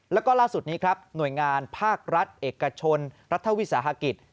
แล้วก็ล่าสุดนี้ครับหน่วยงานภาครัฐเอกชนรัฐวิสาหกิจ